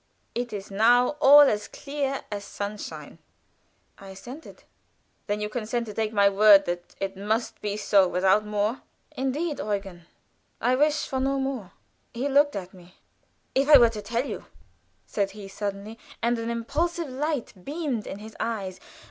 It is now all as clear as sunshine." I assented. "Then you consent to take my word that it must be so, without more." "Indeed, Eugen, I wish for no more." He looked at me. "If I were to tell you," said he, suddenly, and an impulsive light beamed in his eyes.